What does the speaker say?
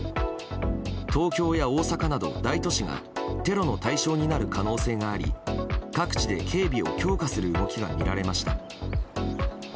東京や大阪など、大都市がテロの対象になる可能性があり各地で警備を強化する動きが見られました。